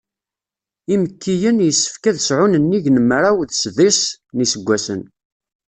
Imekkiyen, yessefk ad sɛun nnig n mraw d sḍis n yiseggasen.